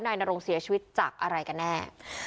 นายนรงเสียชีวิตจากอะไรกันแน่